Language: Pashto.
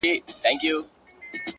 خپه وې چي وړې ، وړې ،وړې د فريادي وې،